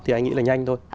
thì anh nghĩ là nhanh thôi